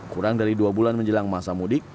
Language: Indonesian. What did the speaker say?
kurang dari dua bulan menjelang masa mudik